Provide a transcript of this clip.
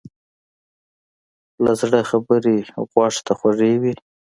له زړه خبرې غوږ ته خوږې وي.